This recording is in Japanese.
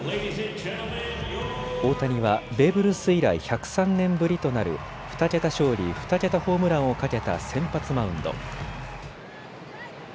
大谷はベーブ・ルース以来１０３年ぶりとなる２桁勝利、２桁ホームランをかけた先発マウンド。